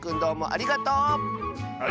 ありがとう！